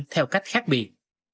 theo cách khác biệt